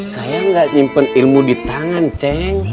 saya gak simpen ilmu di tangan ceng